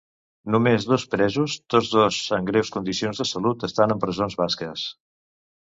Només dos presos, tots dos en greus condicions de salut, estan en presons basques.